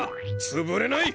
つぶれない！